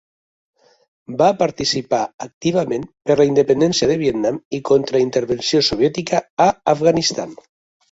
Va participar activament per la independència de Vietnam i contra la intervenció soviètica a Afganistan.